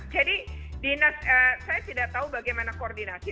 jadi dinas saya tidak tahu bagaimana koordinasi